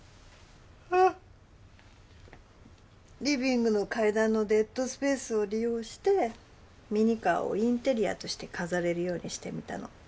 リビングの階段のデッドスペースを利用してミニカーをインテリアとして飾れるようにしてみたの。